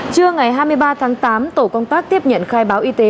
trưa ngày hai mươi ba tháng tám tổ công tác tiếp nhận khai báo y tế